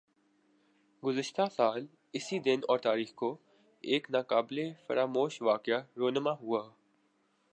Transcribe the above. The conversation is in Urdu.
گزشتہ سال اسی دن اور تاریخ کو ایک نا قابل فراموش واقعہ رونما ھوا